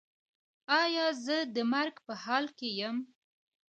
ایا زه د مرګ په حال کې یم؟